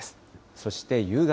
そして夕方。